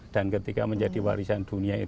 dan ketika menjadi warisan dunia